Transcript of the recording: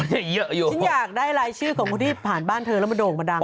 ฉันอยากได้ลายชื่อของคนที่ผ่านบ้านเธอแล้วมาโด่งมาดัง